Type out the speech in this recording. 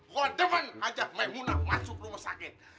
gua demen ajak maimunah masuk rumah sakit